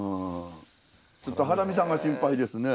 ちょっとハラミさんが心配ですね。